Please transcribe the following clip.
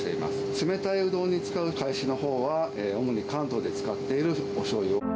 冷たいうどんに使うかえしのほうは、主に関東で使っているおしょうゆ。